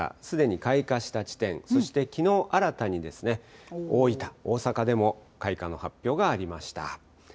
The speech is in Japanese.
すでに開花した地点、そしてきのう新たに大分、大阪でも開花の発表がありました。